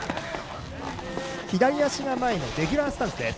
左足が前のレギュラースタンス。